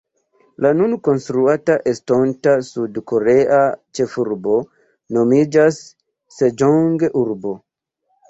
La nun konstruata estonta sud-korea ĉefurbo nomiĝas Seĝong-urbo.